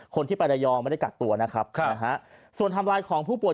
คนที่ไประยองไม่ได้กัดตัวนะครับส่วนธรรมลายของผู้ปวด